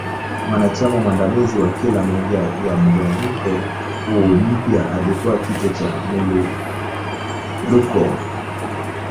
Mwanachama mwandamizi wa kila moja ya mgawanyiko huu mpya alikua kichwa cha Muwuluko.